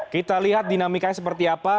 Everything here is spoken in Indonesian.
kita lihat dinamikanya seperti apa